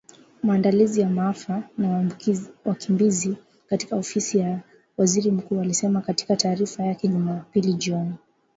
Maandalizi ya maafa na wakimbizi katika Ofisi ya Waziri Mkuu ilisema katika taarifa yake Jumapili jioni .